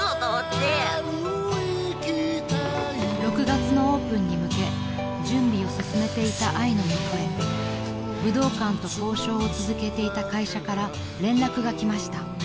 ［６月のオープンに向け準備を進めていたあいの元へ武道館と交渉を続けていた会社から連絡が来ました］